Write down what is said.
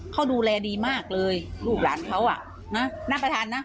เขาดูแลดีมากเลยลูกหลานเขาอ่ะนะน่าประทานนะ